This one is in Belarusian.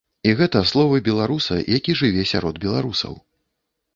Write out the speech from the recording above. І гэта словы беларуса, які жыве сярод беларусаў.